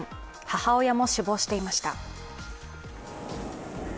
母親も死亡していました。